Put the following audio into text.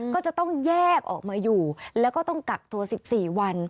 ก็จะต้องแยกออกมาอยู่แล้วก็ต้องกักตัว๑๔วัน